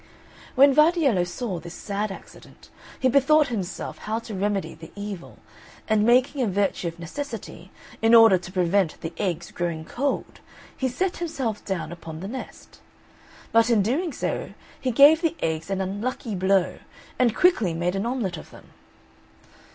When Vardiello saw this sad accident, he bethought himself how to remedy the evil; and making a virtue of necessity, in order to prevent the eggs growing cold, he set himself down upon the nest; but in doing so, he gave the eggs an unlucky blow, and quickly made an omelet of them.